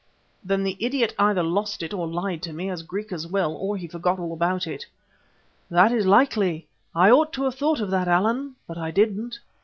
"Then the idiot either lost it and lied to me, as Griquas will, or he forgot all about it." "That is likely. I ought to have thought of that, Allan, but I didn't.